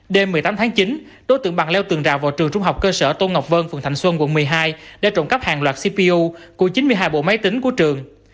đêm một mươi tám tháng chín đối tượng bằng leo tường rào vào trường trung học cơ sở tôn ngọc vân phường thạnh xuân quận một mươi hai để trộm cắp hàng loạt cpu của chín mươi hai bộ máy tính của trường